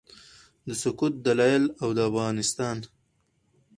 د سقوط دلایل او د افغانستان